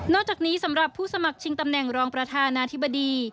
อกจากนี้สำหรับผู้สมัครชิงตำแหน่งรองประธานาธิบดี